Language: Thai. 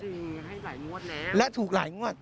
จริงให้หลายงวดแล้วนะคะแล้วถูกหลายงวด